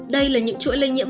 đây là những chuỗi lây nhiễm